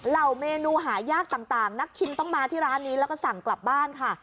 เห่าเมนูหายากต่างนักชิมต้องมาที่ร้านนี้แล้วก็สั่งกลับบ้านค่ะ